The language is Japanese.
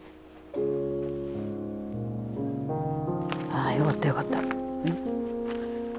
ああよかったよかった。